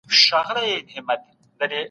موږ باید د فقر پر وړاندې مبارزه وکړو.